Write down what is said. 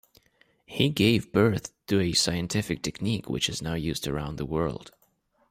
He gave birth to a scientific technique which is now used around the world.